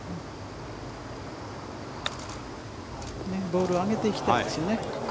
ボールを上げてきてますよね。